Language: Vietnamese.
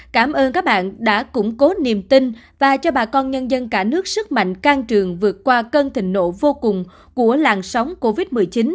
cảm ơn các bạn đã củng cố niềm tin và cho bà con nhân dân cả nước sức mạnh can trường vượt qua cân thình nổ vô cùng của làn sóng covid một mươi chín